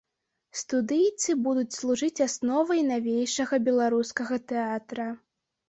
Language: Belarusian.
Студыйцы будуць служыць асновай навейшага беларускага тэатра.